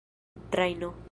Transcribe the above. trajno